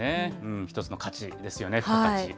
一つの価値ですよね、付加価値。